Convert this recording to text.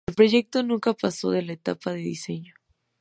El proyecto nunca pasó de la etapa de diseño.